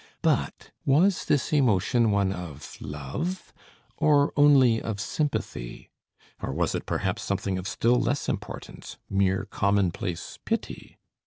But was this emotion one of love, or only of sympathy? Or was it perhaps something of still less importance, mere commonplace pity?